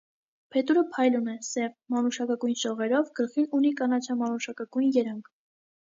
Փետուրը փայլուն է, սև, մանուշակագույն շողերով, գլխին ունի կանաչամանուշակագույն երանգ։